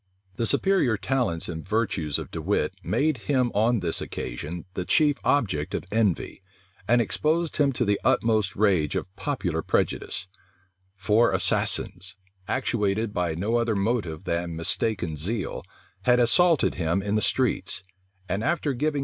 The superior talents and virtues of De Wit made him on this occasion the chief object of envy, and exposed him to the utmost rage of popular prejudice. Four assassins, actuated by no other motive than mistaken zeal, had assaulted him in the streets; and after giving him many wounds, had left him for dead.